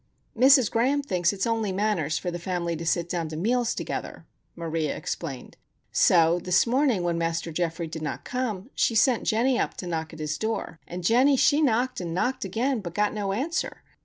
"Mrs. Graham thinks it's only manners for the family to sit down to meals together," Maria explained. "So this morning when Master Geoffrey did not come, she sent Jennie up to knock at his door, and Jennie, she knocked, and knocked again, and got no answer.